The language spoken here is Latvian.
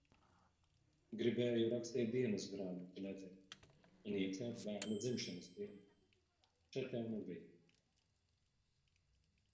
Gribēju rakstīt dienasgrāmatu nedēļu un iekļaut bērna dzimšanas dienu. Še tev nu bija.